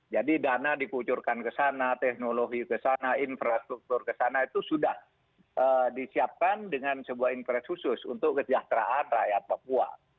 jadi dana dikucurkan ke sana teknologi ke sana infrastruktur ke sana itu sudah disiapkan dengan sebuah impres khusus untuk kesejahteraan rakyat papua